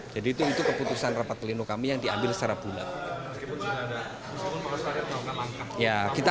jadi itu keputusan rapat pleno kami yang diambil secara bulat